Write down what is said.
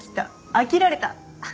飽きられた？